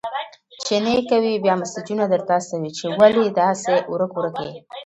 چي نې کوې، بيا مسېجونه در استوي چي ولي داسي ورک-ورک يې؟!